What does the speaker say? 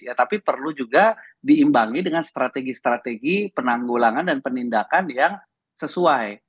ya tapi perlu juga diimbangi dengan strategi strategi penanggulangan dan penindakan yang sesuai